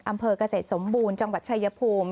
อำเภอกเกษตรสมบูรณ์จังหวัดชายภูมิ